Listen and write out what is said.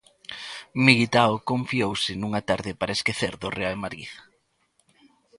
Militao confiouse nunha tarde para esquecer do Real Madrid.